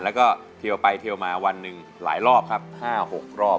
แล้วก็เทียวไปเทียวมาวันหนึ่งหลายรอบครับ๕๖รอบ